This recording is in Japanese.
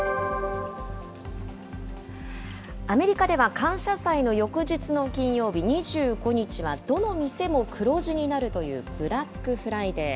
アメリカでは感謝祭の翌日の金曜日２５日は、どの店も黒字になるというブラックフライデー。